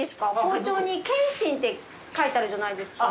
包丁に「研心」って書いてあるじゃないですか。